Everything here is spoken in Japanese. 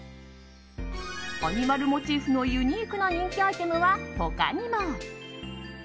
アニマルモチーフのユニークな人気アイテムは他にも。